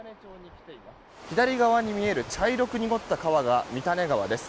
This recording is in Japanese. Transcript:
左側に見える茶色く濁った川が三種川です。